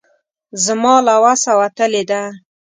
زما له وسه وتلې ده.